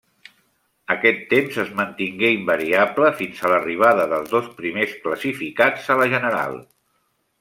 Aquest temps es mantingué invariable fins a l'arribada dels dos primers classificats a la general.